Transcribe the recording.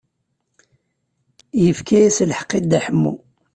Yefka-as lḥeqq i Dda Ḥemmu.